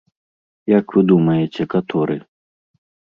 Як вы думаеце, каторы?